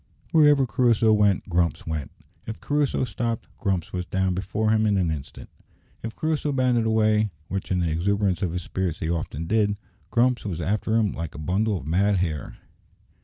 Wherever Crusoe went Grumps went. If Crusoe stopped, Grumps was down before him in an instant. If Crusoe bounded away, which in the exuberance of his spirits he often did, Grumps was after him like a bundle of mad hair.